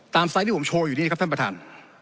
ไซส์ที่ผมโชว์อยู่นี่ครับท่านประธาน